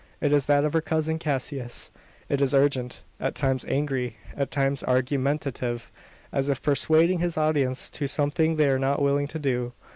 It is that of her cousin Cassius. It is urgent at times angry, at times argumentative: as if persuading his audience to something they are not willing to do.